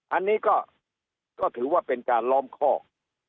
อันนี้ก็ถือว่าเป็นการล้อมคอก